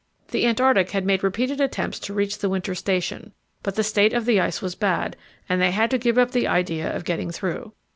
The Antarctic had made repeated attempts to reach the winter station, but the state of the ice was bad, and they had to give up the idea of getting through.